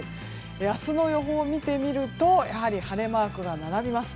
明日の予報を見てみるとやはり晴れマークが並びます。